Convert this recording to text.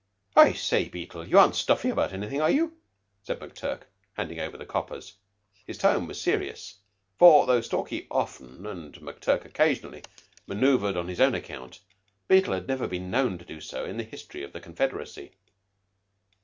"I say, Beetle, you aren't stuffy about anything, are you?" said McTurk, handing over the coppers. His tone was serious, for though Stalky often, and McTurk occasionally, manoeuvred on his own account, Beetle had never been known to do so in all the history of the confederacy.